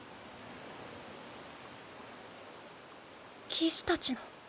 騎士たちの。